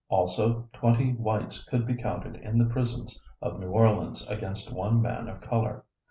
Also twenty whites could be counted in the prisons of New Orleans against one man of color.